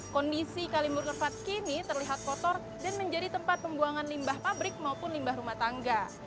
kondisi kalimur kerfat kini terlihat kotor dan menjadi tempat pembuangan limbah pabrik maupun limbah rumah tangga